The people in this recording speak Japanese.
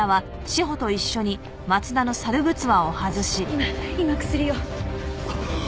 今今薬を。